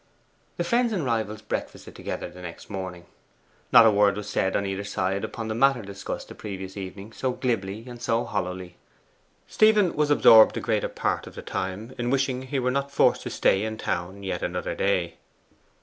The friends and rivals breakfasted together the next morning. Not a word was said on either side upon the matter discussed the previous evening so glibly and so hollowly. Stephen was absorbed the greater part of the time in wishing he were not forced to stay in town yet another day.